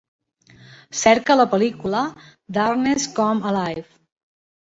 Cerca la pel·lícula Darkness Come Alive